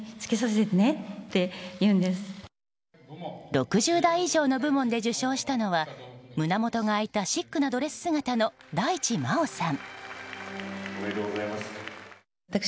６０代以上の部門で受賞したのは胸元が開いたシックなドレス姿の大地真央さん。